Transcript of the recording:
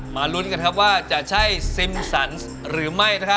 ลุ้นกันครับว่าจะใช่ซิมสันหรือไม่